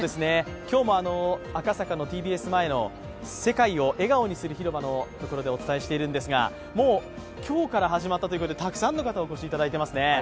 今日も赤坂のＴＢＳ前の世界を笑顔にする広場でお伝えしているんですがもう今日から始まったということで、たくさんの方、お越しいただいてますね。